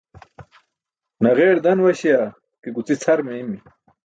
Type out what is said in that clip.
Naġeer dan waśi̇ya ke guci̇ cʰar meeymi̇.